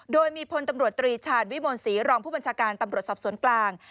โดยมีพลตำรวจตรีชาญวิมลศรีรองผู้บัญชาการตำรวจสอบสวนกลาง